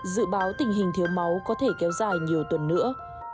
dự báo tình hình thiếu máu có thể kéo dài nhiều tuần nữa